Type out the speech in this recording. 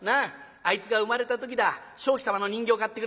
あいつが生まれた時だ鍾馗様の人形を買ってくれた。